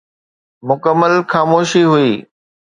مڪمل خاموشي هئي.